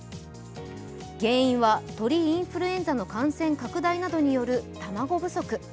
原因は、鳥インフルエンザの感染拡大などによる卵不足。